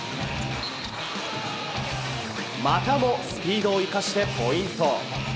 またもスピードを生かしてポイント。